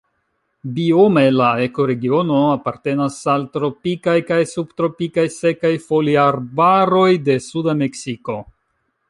Biome la ekoregiono apartenas al tropikaj kaj subtropikaj sekaj foliarbaroj de suda Meksiko.